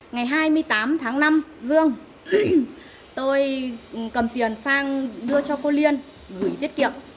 ngày hai mươi tám tháng năm dương tôi cầm tiền sang đưa cho cô liên gửi tiết kiệm